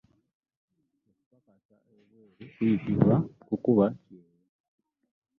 Okupakasa ebweru kuyitibwa “kukuba kyeyo”.